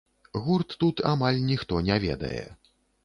Гурт тут амаль ніхто не ведае.